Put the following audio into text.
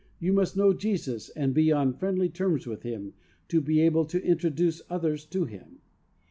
You must know Jesus and be on friendly terms with Him to be able to intro duce others to Him.